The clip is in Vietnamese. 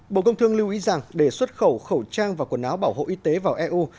bộ công thương lưu ý rằng để xuất khẩu khẩu trang và quần áo bảo hộ y tế vào eu